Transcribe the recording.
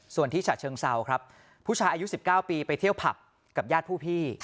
ส่วนที่ฉะเชิงเซาครับผู้ชายอายุ๑๙ปีไปเที่ยวผับกับญาติผู้พี่